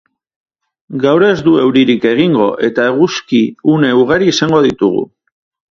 Gaur ez du euririk egingo eta eguzki-une ugari izango ditugu.